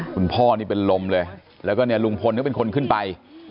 คุณพ่อนี่เป็นลมเลยแล้วก็เนี่ยลุงพลก็เป็นคนขึ้นไป